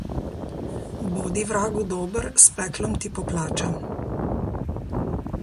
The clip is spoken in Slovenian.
Bodi vragu dober, s peklom ti poplača.